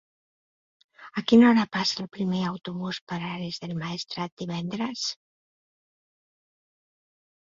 A quina hora passa el primer autobús per Ares del Maestrat divendres?